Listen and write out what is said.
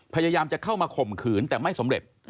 พยายามจะเข้ามาข่มขืนแต่ไม่สำเร็จ